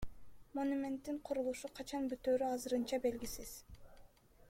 Монументтин курулушу качан бүтөөрү азырынча белгисиз.